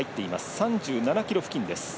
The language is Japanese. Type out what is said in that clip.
３７ｋｍ付近です。